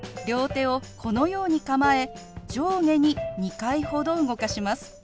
両手をこのように構え上下に２回ほど動かします。